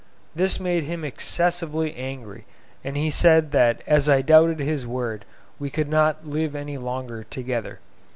This made him excessively angry, and he said that as I doubted his word we could not live any longer together.